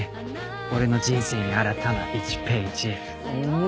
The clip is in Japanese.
「俺の人生に新たな１ページ」おお！